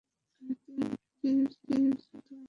কিন্তু এই বিধি যে যথাযথভাবে মানা হচ্ছে না, তা তো স্পষ্ট।